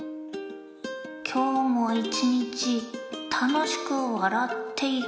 きょうもいちにちたのしくわらっていこう。